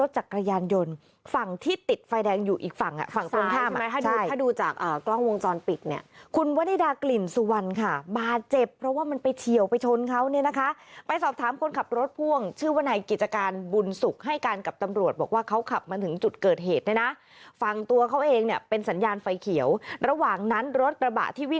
จากกระยานยนต์ฝั่งที่ติดฟัยแดงอยู่อีกฝั่งฝั่งปลงท่ามันให้ใช้ดูจากกล้องวงจอลปิดเนี่ยคุณวนิดากลิ่นสุวรรณค่ะบาดเจ็บเพราะว่ามันไปเฉียวไปช้นเขาเนี่ยนะคะไปสอบถามคนขับรถพ่วงชื่อวนัยกิจการบุญสุขให้การกับตำรวจบอกว่าเขาขับมาถึงจุดเกิดเหตุได้นะฟังตัวเขาเองเป็นสัญญาณไ